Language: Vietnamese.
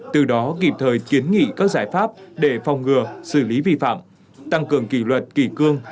từ đó kịp thời kiến nghị các giải pháp để phòng ngừa xử lý vi phạm tăng cường kỷ luật kỷ cương